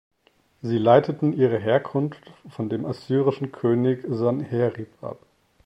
Sie leiteten ihre Herkunft von dem assyrischen König Sanherib ab.